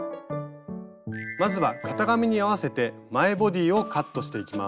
まずは型紙に合わせて前ボディーをカットしていきます。